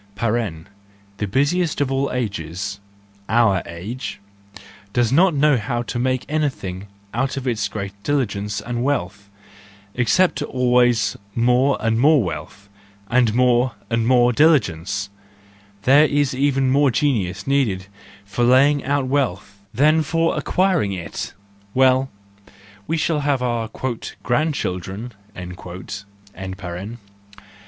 (The busiest of all ages— our age—does not know how to make anything out of its great diligence and wealth, except always 60 THE JOYFUL WISDOM, I more and more wealth, and more and more diligence; there is even more genius needed for laying out wealth than for acquiring it!—Well, we shall have our "grandchildren"!)